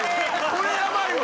これヤバいわ。